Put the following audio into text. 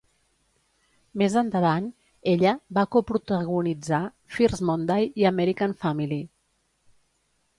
Més endavant, ella va coprotagonitzar "First Monday" i "American Family".